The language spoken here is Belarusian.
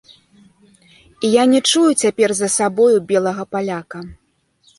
І я не чую цяпер за сабою белага паляка.